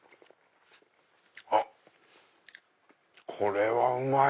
あっこれはうまい！